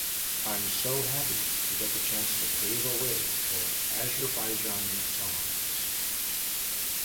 I'm so happy to get the chance to pave a way for Azerbaijani songs.